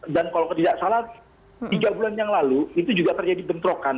dan kalau tidak salah tiga bulan yang lalu itu juga terjadi penterokan